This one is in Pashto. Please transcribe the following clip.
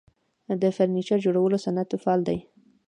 د فرنیچر جوړولو صنعت فعال دی